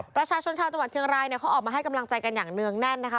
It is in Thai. ประชาชนชาวจังหวัดเชียงรายเนี่ยเขาออกมาให้กำลังใจกันอย่างเนื่องแน่นนะคะ